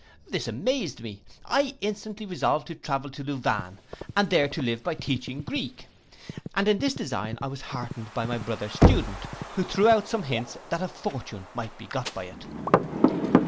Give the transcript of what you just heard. This amazed me. I instantly resolved to travel to Louvain, and there live by teaching Greek; and in this design I was heartened by my brother student, who threw out some hints that a fortune might be got by it.